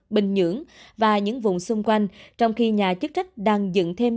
bình nhưỡng và những vùng xung quanh trong khi nhà chức trách đang dựng thêm